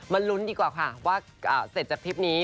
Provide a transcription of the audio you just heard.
ลุ้นดีกว่าค่ะว่าเสร็จจากทริปนี้